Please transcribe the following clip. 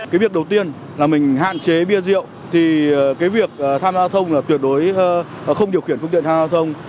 cái việc đầu tiên là mình hạn chế bia rượu thì cái việc tham gia giao thông là tuyệt đối không điều khiển phương tiện tham gia giao thông